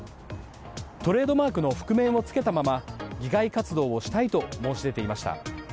トレードマークの覆面を着けたまま、議会活動をしたいと申し出ていました。